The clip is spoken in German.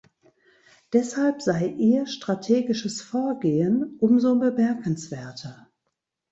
Deshalb sei ihr strategisches Vorgehen umso bemerkenswerter.